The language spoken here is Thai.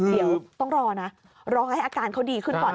เดี๋ยวต้องรอนะรอให้อาการเขาดีขึ้นก่อน